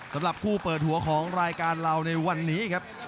สำหรับคู่เปิดหัวของรายการเราในวันนี้ครับ